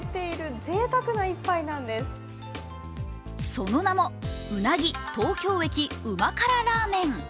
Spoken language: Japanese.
その名も、うなぎ東京駅旨辛らー麺。